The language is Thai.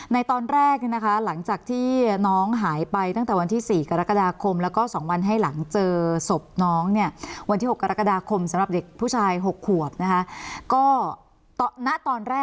ในตอนแรกเนี่ยนะคะหลังจากที่น้องหายไปตั้งแต่วันที่๔กรกฎาคมแล้วก็๒วันให้หลังเจอศพน้องเนี่ยวันที่๖กรกฎาคมสำหรับเด็กผู้ชาย๖ขวบนะคะก็ณตอนแรก